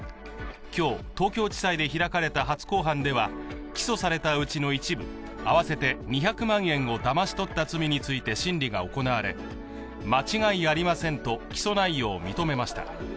今日、東京地裁で開かれた初公判では、起訴されたうちの一部、合わせて２００万円をだまし取った罪について審理が行われ、間違いありませんと、起訴内容を認めました。